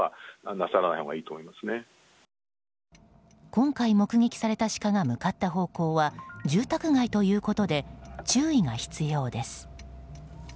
今回、目撃されたシカが向かった方向は住宅街ということで注意が必要です。